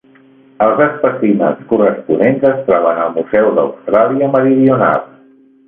Els espècimens corresponents es troben al Museu d'Austràlia Meridional.